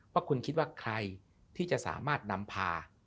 ว่าคุณคิดว่าใครที่จะสามารถนำพา